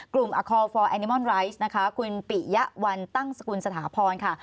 อคอลฟอร์แอนิมอนไรซ์นะคะคุณปิยะวันตั้งสกุลสถาพรค่ะ